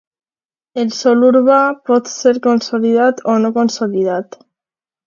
El sòl urbà pot ser consolidat o no consolidat.